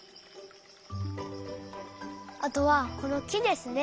あとはこのきですね。